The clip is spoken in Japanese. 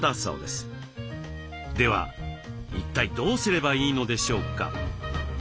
では一体どうすればいいのでしょうか。